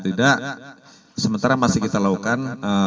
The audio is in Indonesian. tidak sementara masih kita lakukan